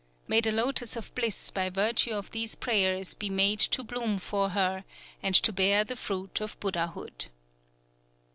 May the Lotos of Bliss by virtue of these prayers be made to bloom for her, and to bear the fruit of Buddhahood!